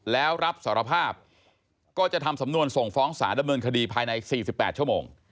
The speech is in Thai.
แล้วรับสารภาพก็จะทำสำนวนส่งฟ้องสารดำเนินคดีภายใน๔๘ชั่วโมง